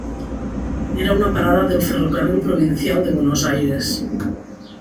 Era una parada del Ferrocarril Provincial de Buenos Aires.